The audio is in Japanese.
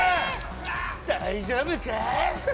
大丈夫か！